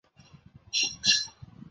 实际从事农业生产的人